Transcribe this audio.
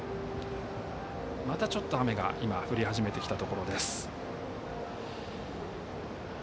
また、ちょっと雨が今降り始めてきたところです。